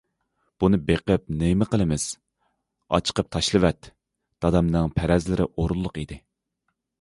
بۇنى بېقىپ نېمە قىلىمىز؟ ئاچىقىپ تاشلىۋەت! دادامنىڭ پەرەزلىرى ئورۇنلۇق ئىدى.